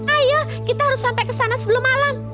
ayo kita harus sampai ke sana sebelum malam